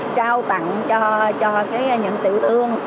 trao tặng cho những tiểu thương